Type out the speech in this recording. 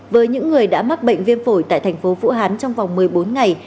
với những người đã mắc bệnh viêm phổi tại thành phố vũ hán trong vòng một mươi bốn ngày